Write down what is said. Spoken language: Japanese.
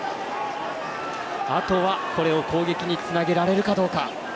あとは、これを攻撃につなげられるかどうか。